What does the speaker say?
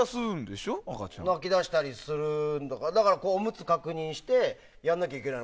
泣き出したりするからおむつ確認してやんなきゃいけない。